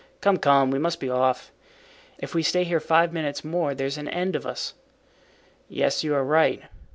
Come, come, we must be off. If we stay here five minutes more there's an end of us." "Yes, you are right."